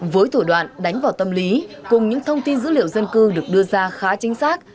với thủ đoạn đánh vào tâm lý cùng những thông tin dữ liệu dân cư được đưa ra khá chính xác